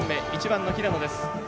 １番の平野です。